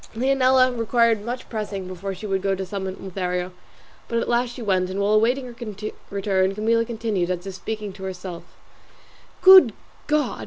Leonela required much pressing before she would go to summon Lothario, but at last she went, and while awaiting her return Camilla continued, as if speaking to herself, "Good God!